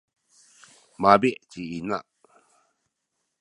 mabi’ ci ina.